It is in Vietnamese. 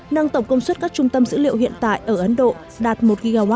nâng tổng công suất các trung tâm dữ liệu hiện tại ở ấn độ đạt một gigawat